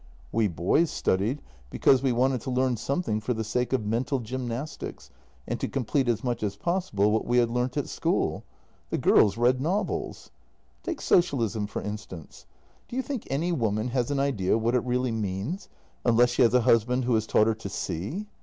We boys studied because we wanted to learn something for the sake of mental gymnastics and to complete as much as possible what we had learnt at school. The girls read novels. "Take socialism, for instance. Do you think any woman has an idea what it really means, unless she has a husband who has taught her to see?